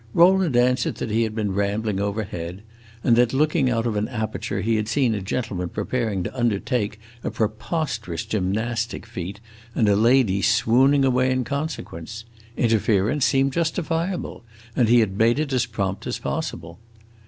Rowland answered that he had been rambling overhead, and that, looking out of an aperture, he had seen a gentleman preparing to undertake a preposterous gymnastic feat, and a lady swooning away in consequence. Interference seemed justifiable, and he had made it as prompt as possible.